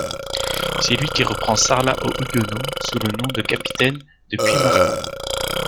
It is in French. C'est lui qui reprend Sarlat aux huguenots sous le nom de Capitaine de Puymartin.